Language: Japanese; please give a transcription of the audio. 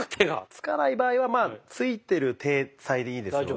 つかない場合はついてる体裁でいいですので。